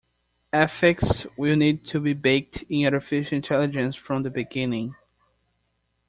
Ethics will need to be baked in Artificial Intelligence from the beginning.